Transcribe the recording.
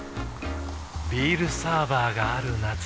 ビールサーバーがある夏。